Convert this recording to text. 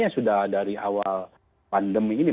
yang sudah dari awal pandemi ini